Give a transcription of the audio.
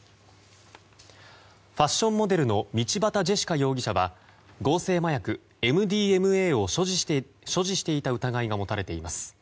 ファッションモデルの道端ジェシカ容疑者は合成麻薬ＭＤＭＡを所持していた疑いが持たれています。